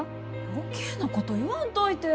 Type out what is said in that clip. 余計なこと言わんといて！